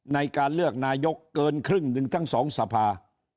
ในการเลือกนายกเกินครึ่ง๑ทั้ง๒สภา